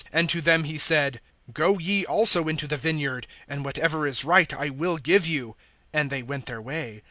(4)And to them he said: Go ye also into the vineyard, and whatever is right I will give you. And they went their way.